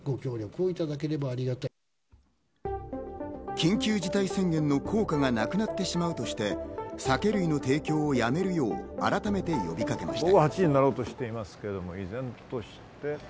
緊急事態宣言の効果がなくなってしまうとして、酒類の提供をやめるよう改めて呼びかけました。